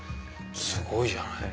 すごいじゃない。